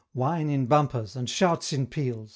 Wine in bumpers! and shouts in peals!